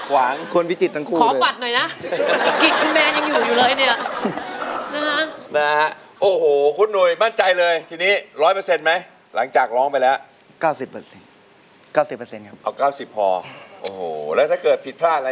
เพลงที่๔ของเขาดูสิว่าเขาจะทำสำเร็จหรือว่าร้องผิดครับ